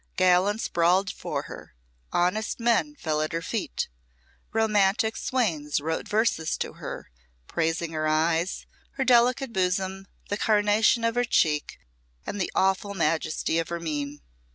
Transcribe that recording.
Gallants brawled for her; honest men fell at her feet; romantic swains wrote verses to her, praising her eyes, her delicate bosom, the carnation of her cheek, and the awful majesty of her mien.